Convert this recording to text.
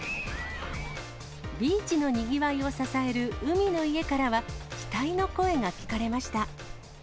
ビーチのにぎわいを支える海の家からは、期待の声が聞かれました。